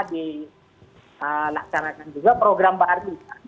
dilaksanakan juga program baru